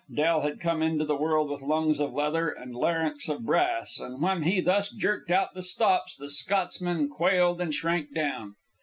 Del had come into the world with lungs of leather and larynx of brass, and when he thus jerked out the stops the Scotsman quailed and shrank down.